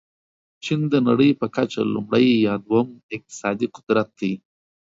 چین د نړۍ په کچه لومړی یا دوم اقتصادي قدرت دی.